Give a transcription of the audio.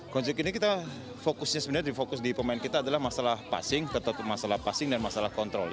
konjek ini kita fokusnya sebenarnya di fokus di pemain kita adalah masalah passing masalah passing dan masalah kontrol